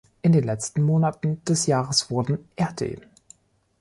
In den letzten Monaten des Jahres wurden rd.